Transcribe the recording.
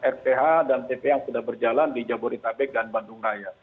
rph dan tp yang sudah berjalan di jabodetabek dan bandung raya